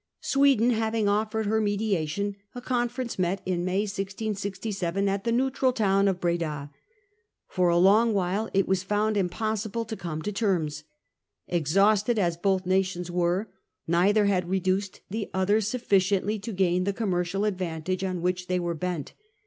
Sweden having offered her mediation, a conference met in May 1667 at the neutral town of Breda. For a Conference long while it was found impossible to come at Breda. to terms. Exhausted as both nations were, neither had reduced the other sufficiently to gain the commercial advantages on which they were bent.